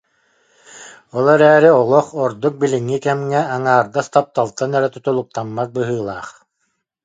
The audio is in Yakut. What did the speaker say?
Ол эрээри олох, ордук билиҥҥи кэмҥэ, аҥаардас тапталтан эрэ тутулуктаммат быһыылаах